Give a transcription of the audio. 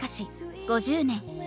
５０年。